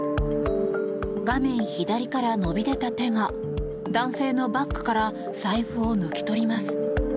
画面左から伸び出た手が男性のバッグから財布を抜き取ります。